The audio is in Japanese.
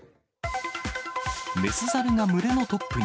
雌ザルが群れのトップに。